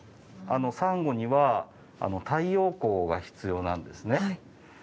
サンゴには太陽光が必要なんですね。